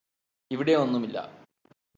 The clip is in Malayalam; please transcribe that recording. ഇവിടെ ഒന്നുമില്ല